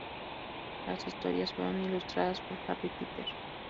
Las historias fueron ilustradas por Harry Peter.